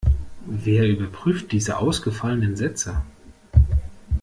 Wer überprüft diese ausgefallenen Sätze?